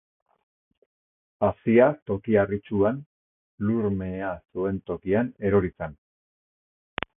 Hazia toki harritsuan, lur mehea zuen tokian erori zen.